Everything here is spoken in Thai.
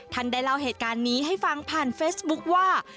ท่านได้เล่าเหตุการณ์นี้ให้ฟังผ่านเฟซบุ๊คว่า